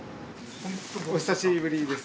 お久しぶりです。